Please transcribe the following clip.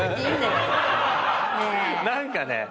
何かね。